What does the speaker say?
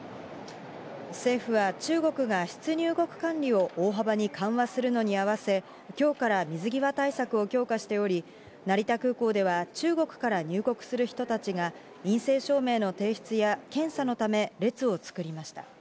政府は中国が出入国管理を大幅に緩和するのに合わせ、きょうから水際対策を強化しており、成田空港では中国から入国する人たちが、陰性証明の提出や、検査のため列を作りました。